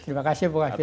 terima kasih bu wak fito